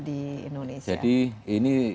di indonesia jadi ini